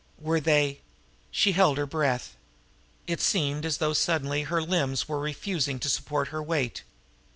Were they She held her breath. It seemed as though suddenly her limbs were refusing to support her weight.